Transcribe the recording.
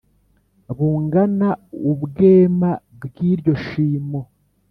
bungana ubwema bw'iryo shimo.